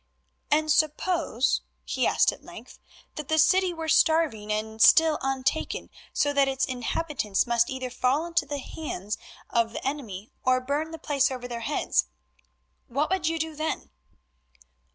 "And suppose," he asked at length, "that the city were starving and still untaken, so that its inhabitants must either fall into the hands of the enemy or burn the place over their heads, what would you do then?"